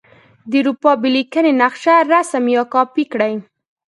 د اروپا بې لیکنې نقشه رسم یا کاپې کړئ.